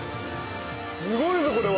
すごいぞこれは！